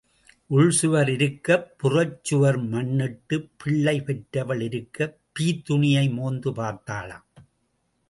உள் சுவர் இருக்கப் புறச்சுவர் மண் இட்டு, பிள்ளை பெற்றவள் இருக்கப் பீத்துணியை மோந்து பார்த்தாளாம்.